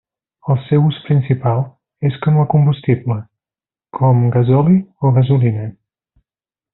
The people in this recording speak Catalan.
El seu ús principal és com a combustible, com gasoli o gasolina.